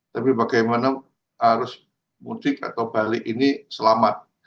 tapi bagaimana arus mudik atau balik ini selamat